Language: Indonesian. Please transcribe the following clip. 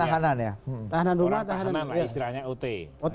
tahanan rumah tahanan kota